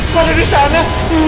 kau ada di sana